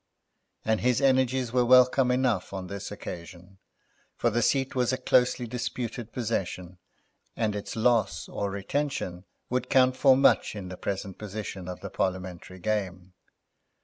And his energies were welcome enough on this occasion, for the seat was a closely disputed possession, and its loss or retention would count for much in the present position of the Parliamentary game.